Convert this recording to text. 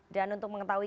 dan untuk mengetahui